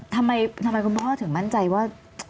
ทำไมคุณพ่อถึงมั่นใจว่า